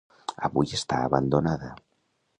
Avui està abandonada.